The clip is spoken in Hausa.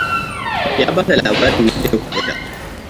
Ya bada labarin yadda ya kubuta.